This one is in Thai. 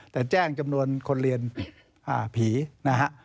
แต่แจ้งจำนวนคนเรียนผีนะฮะ